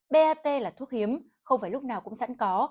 bat là thuốc hiếm không phải lúc nào cũng sẵn có